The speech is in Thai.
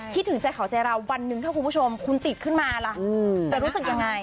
คิดถึงใจเขาใจเร็ววันที่ผู้ชมคุณติดขึ้นมาละจะรู้สึกยังไง